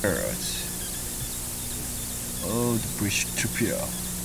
Marine deposition took place throughout most of this and the succeeding Ordovician Period.